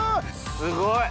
すごい！